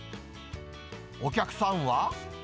お客さんは。